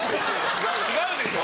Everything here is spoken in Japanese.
違うでしょ？